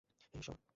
হে, ঈশ্বর!